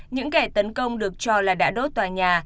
những kẻ tấn công được cho là đã đốt tòa nhà